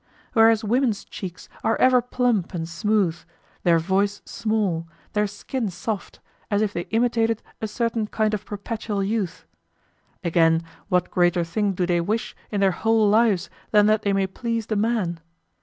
Whereas women's cheeks are ever plump and smooth, their voice small, their skin soft, as if they imitated a certain kind of perpetual youth. Again, what greater thing do they wish in their whole lives than that they may please the man?